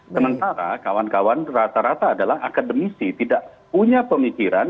sementara kawan kawan rata rata adalah akademisi tidak punya pemikiran